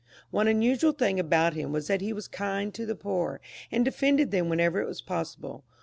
One unusual thing about him was that he was kind to the poor, and defended them whenever it was possible.